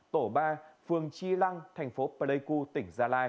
tổ ba phường chi lăng tp pleiku tp gia lai